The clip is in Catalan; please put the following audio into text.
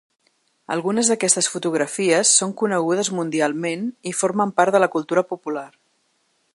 Algunes d’aquestes fotografies són conegudes mundialment i formen part de la cultura popular.